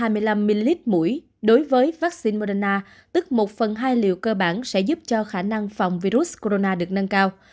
năm ml mũi đối với vaccine moderna tức một phần hai liều cơ bản sẽ giúp cho khả năng phòng virus corona được nâng cao